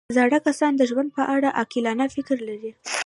زاړه کسان د ژوند په اړه عاقلانه فکر لري